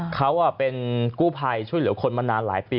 เขาเป็นกู้ภัยช่วยเหลือคนมานานหลายปี